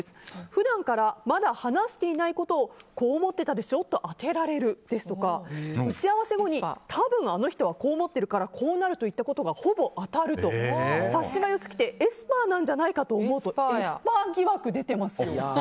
普段からまだ話していないことをこう思っていたでしょと当てられるですとか打ち合わせ後に多分あの人はこう思っているからこうなるといったことがほぼ当たるとか察しが良くてエスパーなんじゃないかとエスパー疑惑が出ていますよ。